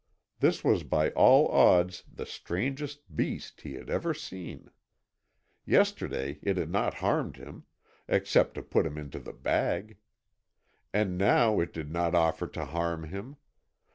This was by all odds the strangest beast he had ever seen. Yesterday it had not harmed him, except to put him into the bag. And now it did not offer to harm him.